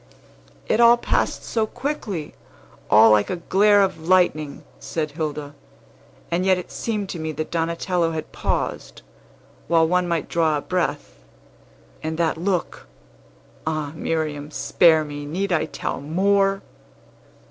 "It all passed so quickly, all like a glare of lightning," said Hilda, "and yet it seemed to me that Donatello had paused, while one might draw a breath. But that look! Ah, Miriam, spare me. Need I tell more?"